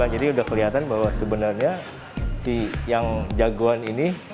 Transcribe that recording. jadi sudah kelihatan bahwa sebenarnya si yang jagoan ini